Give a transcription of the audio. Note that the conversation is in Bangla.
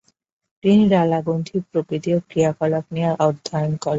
তিনি লালা গ্রন্থির প্রকৃতি এবং ক্রিয়াকলাপ নিয়ে অধ্যয়ন করেন।